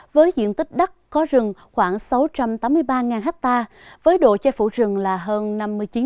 với diện tích đất có rừng khoảng sáu trăm tám mươi ba ha với độ chai phủ rừng là hơn năm mươi chín